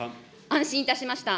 安心いたしました。